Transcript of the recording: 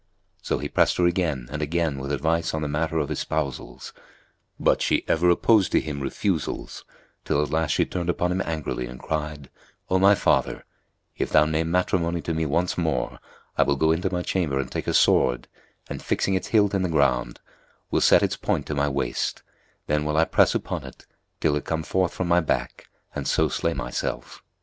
So he pressed her again and again with advice on the matter of espousals; but she ever opposed to him refusals, till at last she turned upon him angrily and cried, 'O my father, if thou name matrimony to me once more, I will go into my chamber and take a sword and, fixing its hilt in the ground, will set its point to my waist; then will I press upon it, till it come forth from my back, and so slay myself.'